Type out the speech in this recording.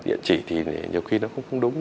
điện chỉ thì nhiều khi nó không đúng